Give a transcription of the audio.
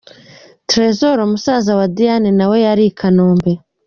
Tresor musaza wa Diane nawe yari i Kanombe.